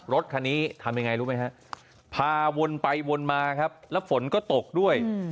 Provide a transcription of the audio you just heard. รถคันนี้ทำยังไงรู้ไหมฮะพาวนไปวนมาครับแล้วฝนก็ตกด้วย